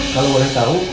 kalo boleh tau